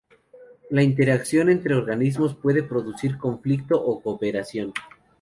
La interacción entre organismos puede producir conflicto o cooperación.